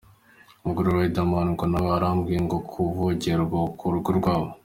Umugore wa Riderman ngo nawe arambiwe kuvugerwa ku rugo rwabo.